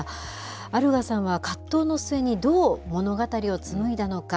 有賀さんは葛藤の末にどう物語を紡いだのか。